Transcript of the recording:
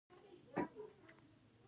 چاپندازان ډېر زړور خلک وي.